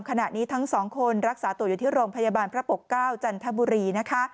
ขณะนี้ทั้งสองคนรักษาตัวอยู่ที่โรงพยาบาลพระปกเก้าจันทบุรีนะคะ